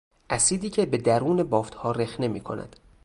اسیدی که به درون بافتها رخنه میکند